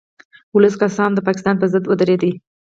ولس که څه هم د پاکستان په ضد ودرید